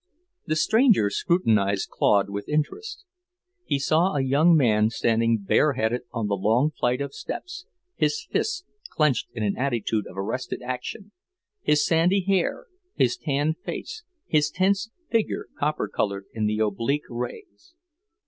The stranger scrutinized Claude with interest. He saw a young man standing bareheaded on the long flight of steps, his fists clenched in an attitude of arrested action, his sandy hair, his tanned face, his tense figure copper coloured in the oblique rays.